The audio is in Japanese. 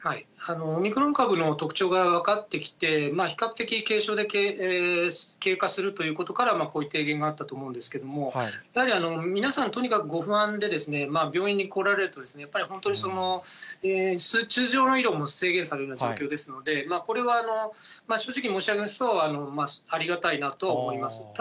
オミクロン株の特徴が分かってきて、比較的軽症で経過するということから、こういった提言があったと思うんですけれども、やはり皆さん、とにかくご不安で、病院に来られると、やっぱり本当に、その通常の医療も制限されるような状況ですので、これは正直申し上げますと、ありがたいなとは思います。